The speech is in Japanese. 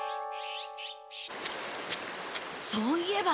そういえば。